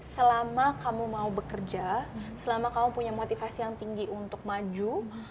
selama kamu mau bekerja selama kamu punya motivasi yang tinggi untuk maju